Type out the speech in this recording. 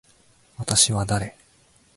私は誰。